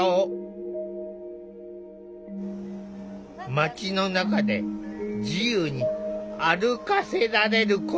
街の中で自由に歩かせられること。